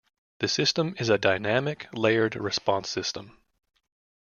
The system is a dynamic layered response system.